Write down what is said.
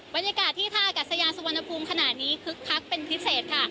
บรรยากาศที่ท่ากัศยานสุวรรณภูมิขณะนี้คึกคักเป็นพิเศษค่ะ